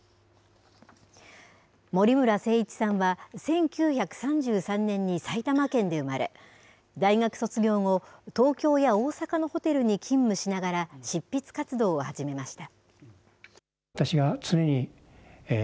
森村誠一さんは、１９３３年に埼玉県で生まれ、大学卒業後、東京や大阪のホテルに勤務しながら、執筆活動を始めました。